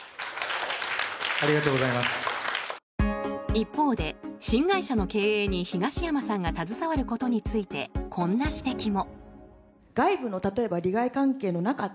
一方で、新会社の経営に東山さんが携わることについてこんな指摘も。